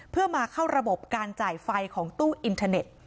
เพื่อมาเข้าระบบการจ่ายไฟของตู้อินเทอร์เน็ต